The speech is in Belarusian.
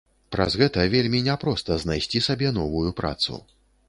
Праз гэта вельмі не проста знайсці сабе новую працу.